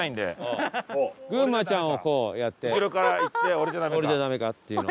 「俺じゃダメか？」っていうのを。